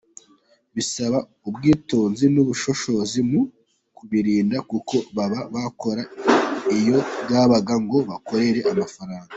Bisaba ubwitonzi n’ubushishozi mu kubirinda kuko baba bakora iyo bwabaga ngo bakorera mafaranga.